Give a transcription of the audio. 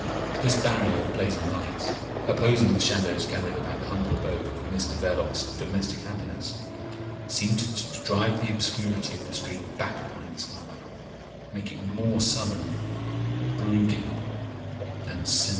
This barrier of blazing lights, opposing the shadows gathered about the humble abode of Mr Verloc's domestic happiness, seemed to drive the obscurity of the street back upon itself, make it more sullen, brooding, and sinister.